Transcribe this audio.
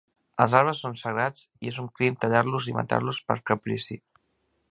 Els arbres són sagrats i és un crim tallar-los i matar-los per caprici